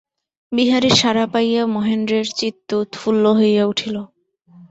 বিহারীর সাড়া পাইয়া মহেন্দ্রের চিত্ত উৎফুল্ল হইয়া উঠিল।